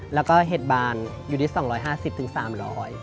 แล้วก็เห็ดบานอยู่ที่๒๕๐๓๐๐บาท